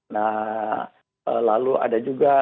nah lalu ada juga